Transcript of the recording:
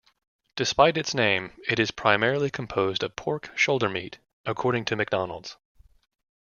Despite its name, it is primarily composed of pork shoulder meat, according to McDonald's.